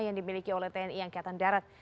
yang dimiliki oleh tni angkatan darat